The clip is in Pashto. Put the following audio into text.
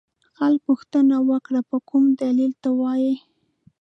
خلکو پوښتنه وکړه په کوم دلیل ته وایې.